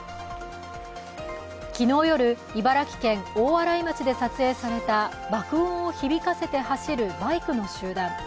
昨日夜、茨城県大洗町で撮影された爆音を響かせて走るバイクの集団。